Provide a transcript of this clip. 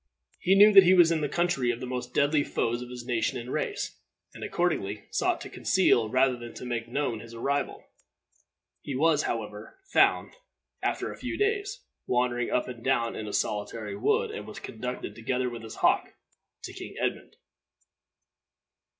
] He knew that he was in the country of the most deadly foes of his nation and race, and accordingly sought to conceal rather than to make known his arrival. He was, however, found, after a few days, wandering up and down in a solitary wood, and was conducted, together with his hawk, to King Edmund.